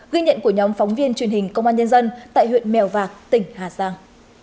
ghi nhận của nhóm phóng viên truyền hình công an nhân dân tại huyện mèo vạc tỉnh hà giang